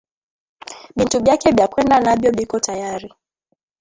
Bintu byake bya kwenda nabyo biko tayari